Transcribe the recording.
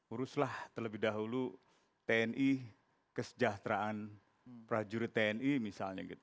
uruslah terlebih dahulu tni kesejahteraan prajurit tni misalnya gitu